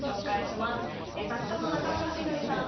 作家の中村文則さん